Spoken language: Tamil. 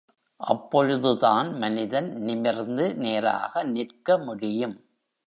அப்பொழுதுதான் மனிதன் நிமிர்ந்து நேராக நிற்க முடியும்.